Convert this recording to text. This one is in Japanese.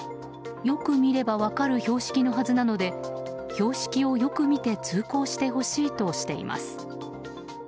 よく見れば分かる標識のはずなので標識をよく見て通行してほしいとしています。